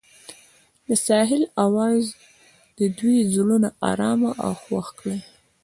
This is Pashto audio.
د ساحل اواز د دوی زړونه ارامه او خوښ کړل.